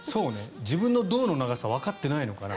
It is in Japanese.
自分の胴の長さわかってないのかな。